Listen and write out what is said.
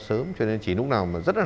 đêm cũng không ngủ được ấy